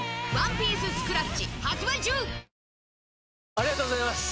ありがとうございます！